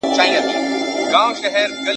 تاوان رسول ګناه ده.